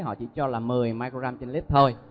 họ chỉ cho là một mươi mg trên lít thôi